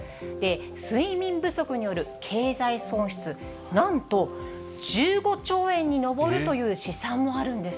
睡眠不足による経済損失、なんと１５兆円に上るという試算もあるんです。